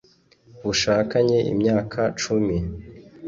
bashakanye imyaka icumi